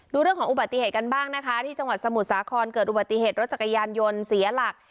ดูเรื่องของอุบัติเหตุกันบ้างนะคะที่จังหวัดสมุทรสาครเกิดอุบัติเหตุรถจักรยานยนต์เสียหลัก